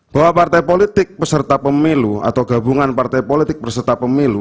bahwa partai politik peserta pemilu atau gabungan partai politik berserta pemilu